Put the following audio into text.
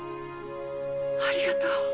ありがとう。